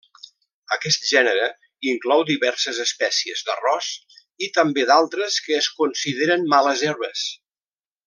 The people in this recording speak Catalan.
Aquest gènere inclou diverses espècies d'arròs i també d'altres que es consideren males herbes.